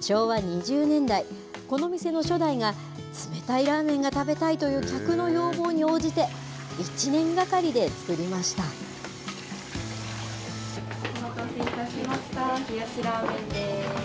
昭和２０年代、この店の初代が、冷たいラーメンが食べたいという客の要望に応じて、１年がかりでお待たせいたしました。